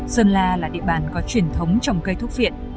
sơn la là địa bàn có truyền thống trồng cây thuốc viện